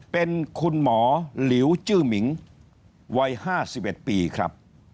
เป็นคุณหมอหลิวจื้อมิงวัย๕๑ปีครับ